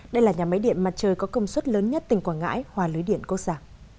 đây là nhà máy điện mặt trời có công suất lớn nhất tỉnh quảng ngãi hòa lưới điện quốc gia